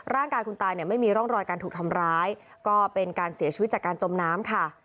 ร่างกายคุณตายเนี่ยไม่มีร่องรอยการถูกทำร้ายก็เป็นการเสียชีวิตจากการจมน้ำค่ะ